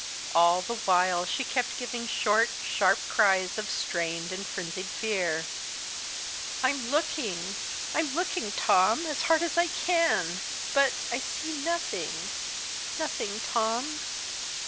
All the while she kept giving short, sharp cries of strained and frenzied fear. "I'm looking! I'm looking, Tom, as hard as I can, but I see nothing nothing, Tom!